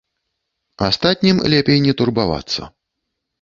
Астатнім лепей не турбавацца.